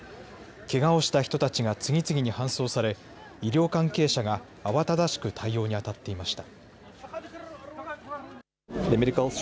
けがをした人たちが次々に搬送され医療関係者が慌ただしく対応にあたっていました。